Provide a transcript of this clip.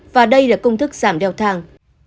và đây là công thức giảm leo thang